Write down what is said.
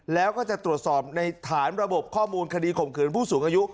แล้วก็จะตรวจสอบในฐานระบบข้อมูลคดีข่มขืนผู้สูงอายุ